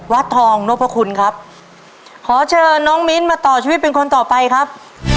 วัดทองนพคุณครับขอเชิญน้องมิ้นมาต่อชีวิตเป็นคนต่อไปครับ